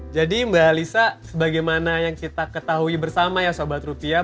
jadi mbak lisa bagaimana yang kita ketahui bersama ya sobat rupiah